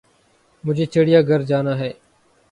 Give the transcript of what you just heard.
مجھے چڑیا گھر جانا ہے